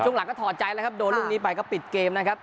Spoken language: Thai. หลังก็ถอดใจแล้วครับโดนลูกนี้ไปก็ปิดเกมนะครับ